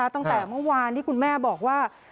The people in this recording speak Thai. ตั้งแต่เมื่อวานที่คุณแม่บอกว่า